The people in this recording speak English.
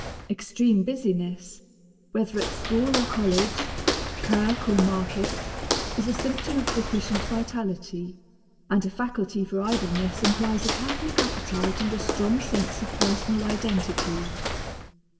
Extreme busyness, whether at school or college, kirk or market, is a symptom of deficient vitality; and a faculty for idleness implies a catholic appetite and a strong sense of personal identity.